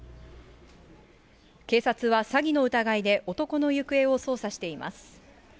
警察は詐欺の疑いで男の行方を捜査しています。